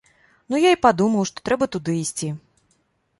Ну я і падумаў, што трэба туды ісці.